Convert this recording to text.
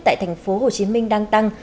tại thành phố hồ chí minh đang tăng